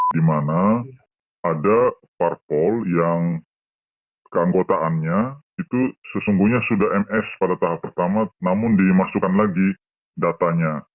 di mana ada parpol yang keanggotaannya itu sesungguhnya sudah ms pada tahap pertama namun dimasukkan lagi datanya